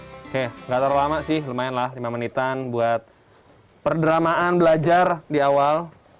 oke gak terlalu lama sih lumayan lah lima menitan buat perdramaan belajar di awal